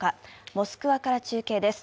モスクワから中継です。